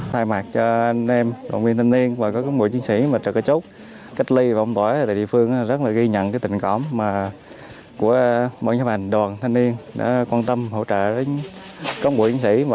thay mặt cho anh em đồng viên thanh niên và các quân đội chiến sĩ